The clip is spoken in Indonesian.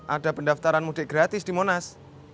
ada pendaftaran mudik gratis di monas